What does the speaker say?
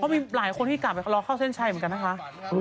มีหลายคนที่กลับไปรอเข้าเส้นชัยเหมือนกันนะคะ